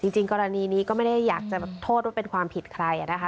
จริงกรณีนี้ก็ไม่ได้อยากจะโทษว่าเป็นความผิดใครนะคะ